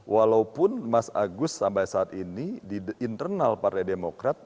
walaupun mas agus sampai saat ini di internal partai demokrat